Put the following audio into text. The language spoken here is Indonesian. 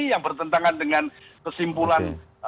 yang bertentangan dengan kesimpulan